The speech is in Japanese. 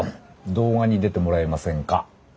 動画に出てもらえませんか？